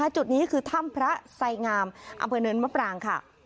จุดนี้คือถ้ำพระไสงามอำเภอเนินมะปรางค่ะ